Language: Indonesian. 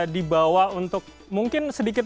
dibawa untuk mungkin sedikit